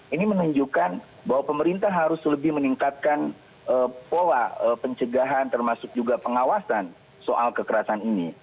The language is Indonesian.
ini menunjukkan bahwa pemerintah harus lebih meningkatkan pola pencegahan termasuk juga pengawasan soal kekerasan ini